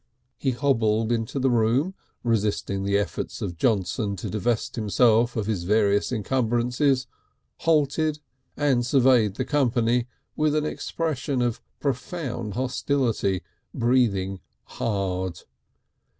He hobbled into the room, resisting the efforts of Johnson to divest him of his various encumbrances, halted and surveyed the company with an expression of profound hostility, breathing hard.